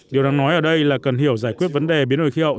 điều đáng nói ở đây là cần hiểu giải quyết vấn đề biến đổi khí hậu